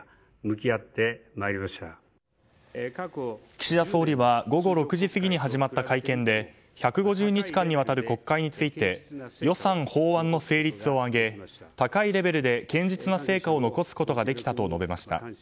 岸田総理は午後６時すぎに始まった会見で１５０日間にわたる国会について予算法案の成立を挙げ高いレベルで堅実な成果を残すことができたと述べました。